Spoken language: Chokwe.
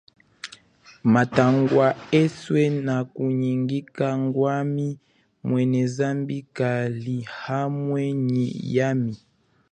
Mathangwa eswe nakunyingika ngwami, mwene zambi kali hamwe nyi yami.